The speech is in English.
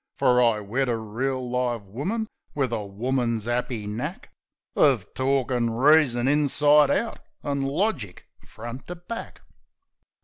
Fer I wed a reel, live woman, wiv a woman's 'appy knack Uv torkin' reason inside out an' logic front to back.